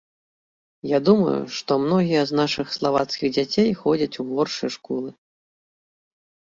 Я думаю, што многія з нашых славацкіх дзяцей ходзяць у горшыя школы.